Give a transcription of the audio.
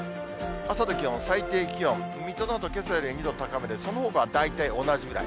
朝の気温、最低気温、水戸などけさより２度高めで、そのほかは大体同じぐらい。